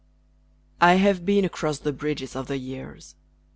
I have been across the bridges of the years.